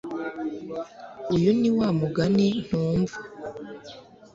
Uyu ni wa mugani ntumva.